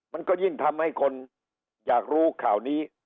มันก็ยิ่งทำให้คนอยากรู้ข่าวนี้